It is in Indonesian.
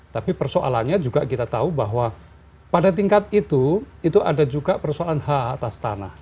tapi persoalannya juga kita tahu bahwa pada tingkat itu itu ada juga persoalan hak atas tanah